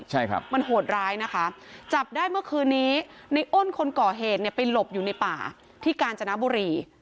ใช่ครับมันโหดร้ายนะคะจับได้เมื่อคืนนี้ในอ้นคนก่อเหตุเนี่ยไปหลบอยู่ในป่าที่กาญจนบุรี